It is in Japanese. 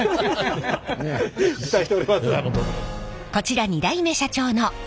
期待しております。